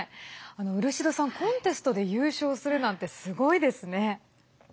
漆戸さん、コンテストで優勝するなんて、すごいですね。